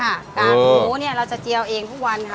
กากหมูเนี่ยเราจะเจียวเองทุกวันค่ะ